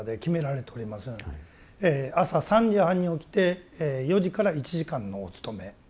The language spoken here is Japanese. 朝３時半に起きて４時から１時間のお勤め。